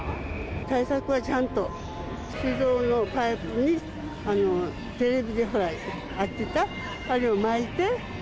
対策はちゃんと、水道のパイプに、テレビでほら、やってた、あれを巻いて。